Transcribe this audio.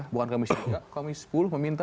bukan komisi tiga komisi sepuluh meminta